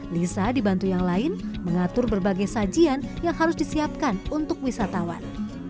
lisa dibantu yang lain mengatur berbagai sajian yang harus disiapkan untuk wisatawan